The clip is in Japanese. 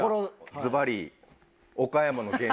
ずばり「岡山の原石」。